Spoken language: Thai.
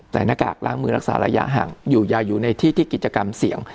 หน้ากากล้างมือรักษาระยะห่างอยู่อย่าอยู่ในที่ที่กิจกรรมเสี่ยง